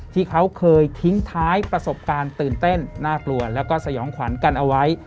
ที่เขาเคยทิ้งท้ายประสบการณ์ตื่นเต้นน่ากลัวแล้วก็สยองขวัญกันเอาไว้